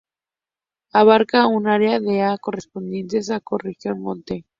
Abarca un área de ha correspondientes a la ecorregión Monte.